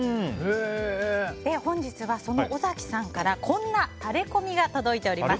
本日はその尾崎さんからこんなタレコミが届いております。